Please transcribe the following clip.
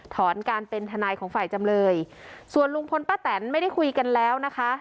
ถอนการเป็นทนายของฝ่ายจำเลยส่วนลุงพลป้าแตนไม่ได้คุยกันแล้วนะคะ